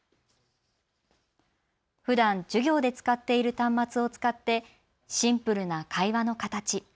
ふだん授業で使っている端末を使ってシンプルな会話の形。